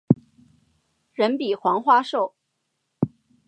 人比黄花瘦